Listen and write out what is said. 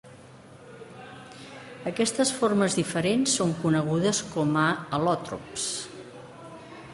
Aquestes formes diferents són conegudes com a al·lòtrops.